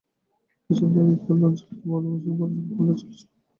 কিছুদিন আগে Carlo Ancelotti বলে বসলেন, ফরাসি ফুটবলারদের চালচলনে গদাই লস্করি ভাব।